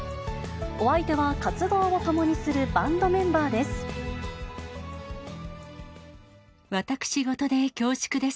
お相手は活動を共にするバンドメンバーです。